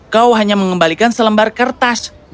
kau hanya mengembalikan selembar kertas